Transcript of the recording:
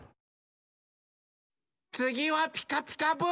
つぎは「ピカピカブ！」ですよ！